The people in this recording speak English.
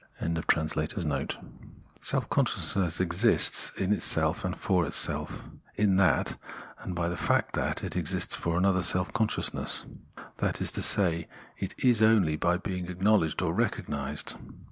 ] Self consciousness exists in itself and for itself, in that, and by the fact that it exists for another self consciousness ; that is to say, it is only by being acknowledged or "recognised."